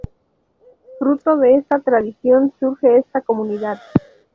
Fruto de esta tradición surge esta comunidad.